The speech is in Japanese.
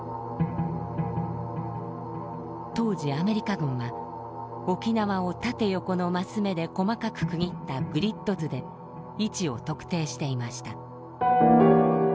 当時アメリカ軍は沖縄を縦横の升目で細かく区切ったグリッド図で位置を特定していました。